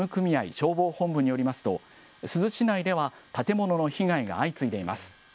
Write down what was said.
消防本部によりますと、珠洲市内では建物の被害が相次いでいます。